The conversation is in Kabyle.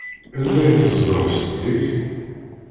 Anda i tezdeɣ setti-k?